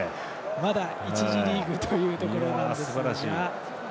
まだ１次リーグというところですが。